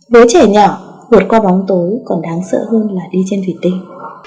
với trẻ nhỏ vượt qua bóng tối còn đáng sợ hơn là đi trên thủy tinh